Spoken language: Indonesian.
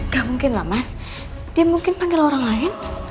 gak mungkin lah mas dia mungkin panggil orang lain